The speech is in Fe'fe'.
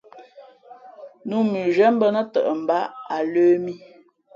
Nǔ mʉnzhwīē bα̌ nά tαʼ mbāʼ a lə̄ mī.